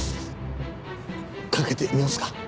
賭けてみますか？